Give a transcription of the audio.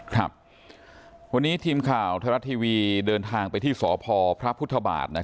ครับวันนี้ทีมข่าวไทยรัฐทีวีเดินทางไปที่สพพระพุทธบาท